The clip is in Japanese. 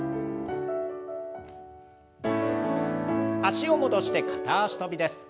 脚を戻して片脚跳びです。